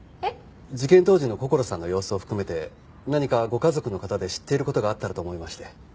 事件当時のこころさんの様子を含めて何かご家族の方で知っている事があったらと思いまして。